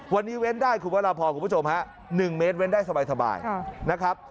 วันนี้เว้นได้คุณพระราพรคุณผู้ชมฮะ๑เมตรเว้นได้สบายนะครับ